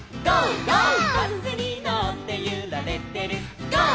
「バスにのってゆられてるゴー！